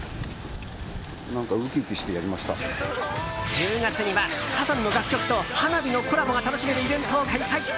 １０月にはサザンの楽曲と花火のコラボが楽しめるイベントを開催。